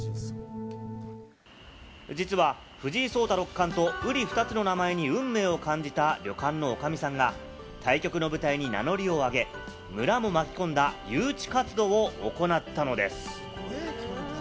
実は藤井聡太六冠とうり二つの名前に運命を感じた旅館の女将さんが対局の舞台に名乗りをあげ、村も巻き込んだ、誘致活動を行ったのです。